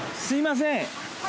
すいません